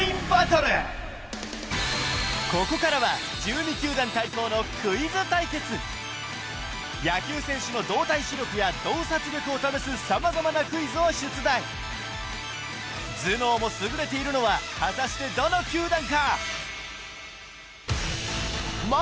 バトルここからは１２球団対抗のクイズ対決野球選手の動体視力や洞察力を試すさまざまなクイズを出題頭脳も優れているのは果たしてどの球団か？